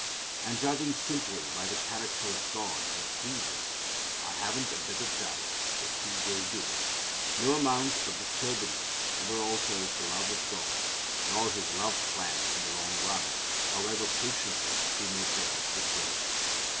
And judging simply by the character of God and of Jesus, I haven't a bit of doubt that He will do it. No amount of disturbance ever alters the love of God, nor His love plan in the long run, however patiently He may bear with breaks.